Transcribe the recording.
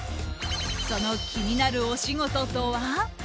その気になるお仕事とは？